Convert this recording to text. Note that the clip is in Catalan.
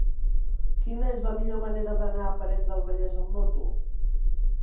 Quina és la millor manera d'anar a Parets del Vallès amb moto?